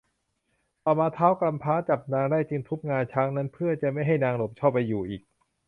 ต่อมาท้าวกำพร้าจับนางได้จึงทุบงาช้างนั้น เพื่อจะไม่ให้นางหลบเข้าไปอยู่อีก